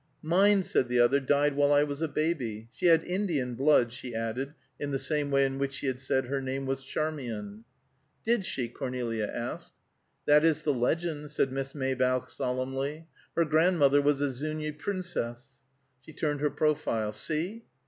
"Mine," said the other, "died while I was a baby. She had Indian blood," she added in the same way in which she had said her name was Charmian. "Did she?" Cornelia asked. "That is the legend," said Miss Maybough solemnly. "Her grandmother was a Zuñi princess." She turned her profile. "See?"